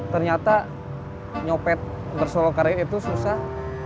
ternyata nyopet bersolok karet itu susah